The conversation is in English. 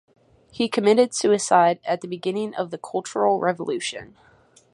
He committed suicide at the beginning of the Cultural Revolution.